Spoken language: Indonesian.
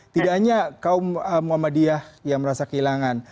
tidak hanya kaum muhammadiyah yang merasa kehilangan